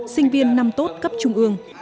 sinh viên năm tốt cấp trung ương